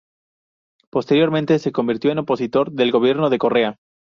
Posteriormente se convirtió en opositor del gobierno de Correa.